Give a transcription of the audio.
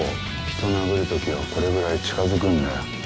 人を殴る時はこれぐらい近づくんだよ。